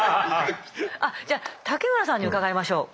じゃあ武村さんに伺いましょう。